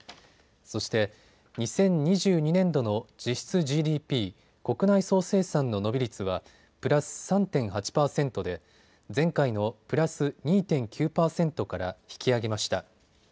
そして、２０２２年度の実質ＧＤＰ・国内総生産の伸び率はプラス３．８％で前回のプラス２．９％から引き上げました。